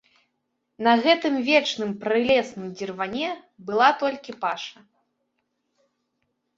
На гэтым вечным прылесным дзірване была толькі паша.